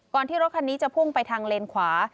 ที่รถคันนี้จะพุ่งไปทางเลนขวา